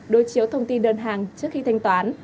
đối chiếu thông tin đơn hàng trước khi thanh toán